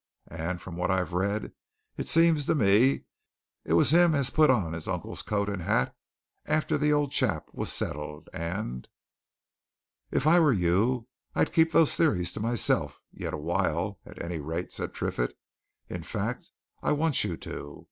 And, from what I've read, it seems to me it was him as put on his uncle's coat and hat after the old chap was settled, and " "If I were you, I'd keep those theories to myself yet awhile, at any rate," said Triffitt. "In fact I want you to.